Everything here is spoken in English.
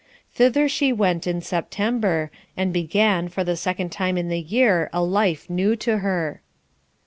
Thither she went in September, and began for the second time in the year a life new to her.